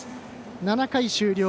７回終了。